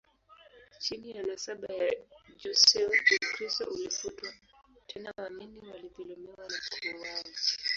Chini ya nasaba ya Joseon, Ukristo ulifutwa, tena waamini walidhulumiwa na kuuawa.